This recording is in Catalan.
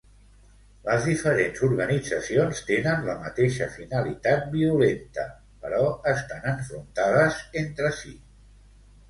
Les diferents organitzacions tenen la mateixa finalitat violenta, però estan enfrontades entre si.